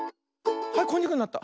はいこんにゃくになった。